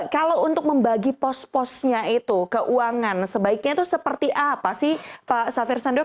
kalau untuk membagi pos posnya itu keuangan sebaiknya itu seperti apa sih pak safir sandok